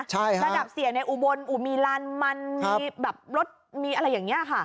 ระดับเสียในอุบลอุมีลานมันมีแบบรถมีอะไรอย่างนี้ค่ะ